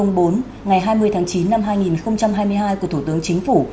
ngày hai mươi tháng chín năm hai nghìn hai mươi hai của thủ tướng chính phủ